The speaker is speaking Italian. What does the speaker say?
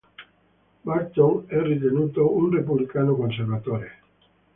Barton è ritenuto un repubblicano conservatore.